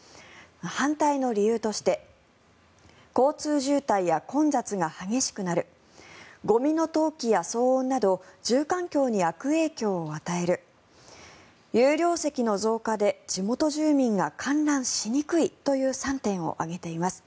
反対の理由として交通渋滞や混雑が激しくなるゴミの投棄や騒音など住環境に悪影響を与える有料席の増加で地元住民が観覧しにくいという３点を挙げています。